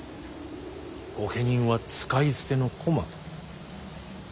御家人は使い捨ての駒と。